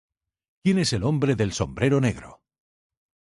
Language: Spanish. ¿Quién es el hombre del sombrero negro?